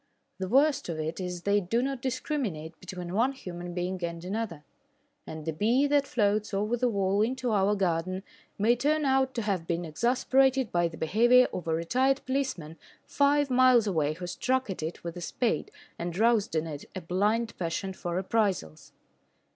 The worst of it is they do not discriminate between one human being and another, and the bee that floats over the wall into our garden may turn out to have been exasperated by the behaviour of a retired policeman five miles away who struck at it with a spade and roused in it a blind passion for reprisals.